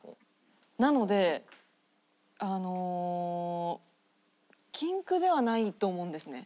なのであの『禁区』ではないと思うんですね。